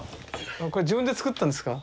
これ自分で作ったんですか？